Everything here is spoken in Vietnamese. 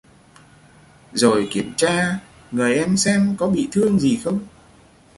rồi kiểm tra người em xem có bị thương gì không